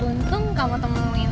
untung kamu temuin